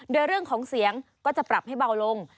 โดยเรื่องของเสียงก็จะปรับให้เบาลง